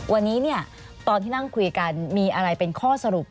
วันนี้ตอนที่นั่งคุยกันมีอะไรเป็นข้อสรุป